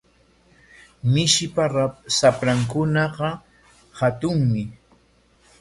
Mishipa shaprankunaqa hatunmi.